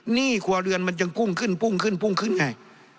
หนี้ขัวเรือนมันจะกุ้งขึ้นกุ้งขึ้นกุ้งขึ้นไง